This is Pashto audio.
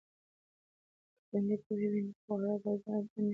که خویندې پوهې وي نو خواړه به زهرجن نه وي.